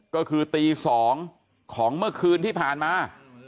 ก็คือตี๒ของเมื่อคืนที่ผ่านมา